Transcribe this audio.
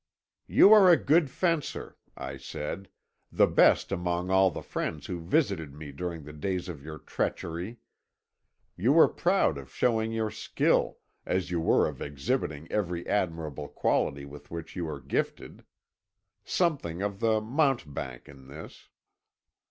"'You are a good fencer,' I said, 'the best among all the friends who visited me during the days of your treachery. You were proud of showing your skill, as you were of exhibiting every admirable quality with which you are gifted. Something of the mountebank in this.'